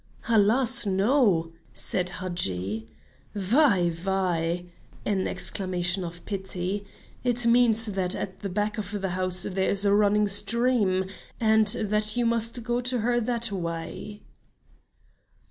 "Alas! no," said Hadji. "Veyh! Veyh! (an exclamation of pity) it means that at the back of the house there is a running stream, and that you must go to her that way."